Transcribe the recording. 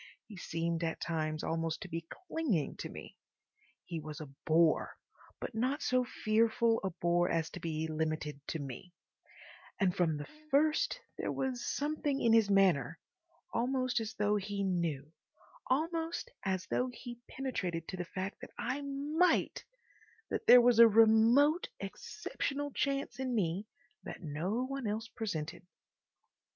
He seemed at times almost to be clinging to me. He was a bore, but not so fearful a bore as to be limited to me; and from the first there was something in his manner—almost as though he knew, almost as though he penetrated to the fact that I MIGHT—that there was a remote, exceptional chance in me that no one else presented.